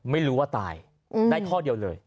ไม่รู้ว่าตายได้ข้อเดียวเลย